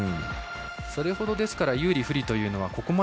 それほど有利、不利というのは。